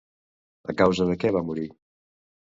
A causa de què va morir?